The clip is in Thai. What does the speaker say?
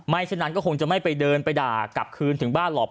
ฉะนั้นก็คงจะไม่ไปเดินไปด่ากลับคืนถึงบ้านหรอก